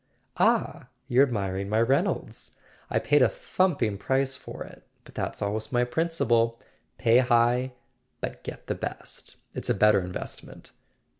"Ah, you're admiring my Reynolds. I paid a thump¬ ing price for it—but that's always my principle. Pay high, but get the best. It's a better investment."